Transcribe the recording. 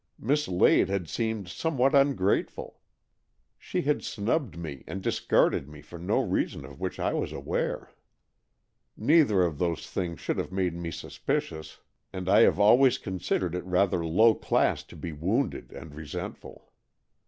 Miss Lade had seemed somewhat ungrateful; she had snubbed me and dis carded me for no reason of which I was aware. Neither of those things should have made me suspicious, and I have always con 136 AN EXCHANGE OF SOULS sidered it rather low class to be wounded and resentful.